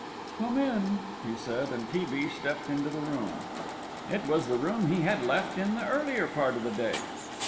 "Come in," he said, and T. B. stepped into the room. It was the room he had left in the earlier part of the day.